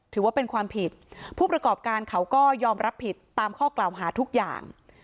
ถือว่าเป็นความผิดผู้ประกอบการเขาก็ยอมรับผิดตามข้อกล่าวหาทุกอย่าง